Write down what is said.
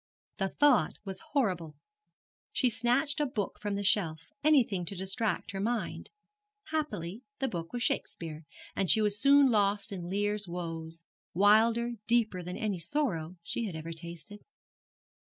The thought was horrible. She snatched a book from the shelf anything to distract her mind. Happily, the book was Shakespeare, and she was soon lost in Lear's woes, wilder, deeper than any sorrow she had ever tasted.